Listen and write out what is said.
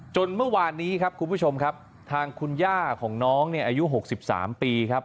จนเมื่อวานนี้ครับคุณผู้ชมครับทางคุณย่าของน้องเนี่ยอายุ๖๓ปีครับ